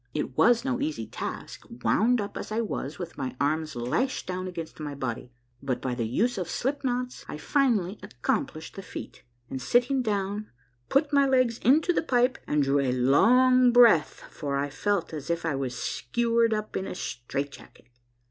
It was no easy task, wound up as I was, with my arms lashed down against my body, but by the use of slip knots I finally accomplished the feat, and sitting down put my legs into the pipe and drew a long breath, for I felt as if I was skewered up in a straight jacket.